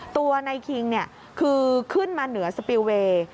ตัวนายคิงคือขึ้นมาเหนือสปิลเวย์